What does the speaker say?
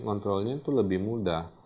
kontrolnya itu lebih mudah